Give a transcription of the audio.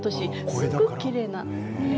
すごく、きれいな。